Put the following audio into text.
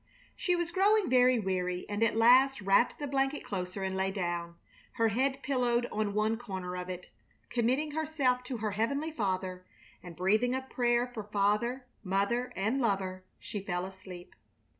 She was growing very weary, and at last wrapped her blanket closer and lay down, her head pillowed on one corner of it. Committing herself to her Heavenly Father, and breathing a prayer for father, mother, and lover, she fell asleep.